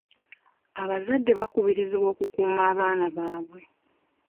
Abazadde bakubirizibwa okukuuma abaana baabwe.